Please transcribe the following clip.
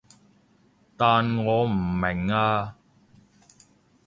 但我唔明啊